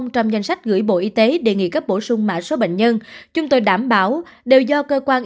một trong danh sách gửi bộ y tế đề nghị cấp bổ sung mã số bệnh nhân chúng tôi đảm bảo đều do cơ quan